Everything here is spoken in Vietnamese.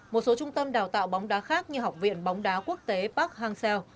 một số trung tâm đào tạo bóng đá khác như học viện bóng đá quốc tế park hang seo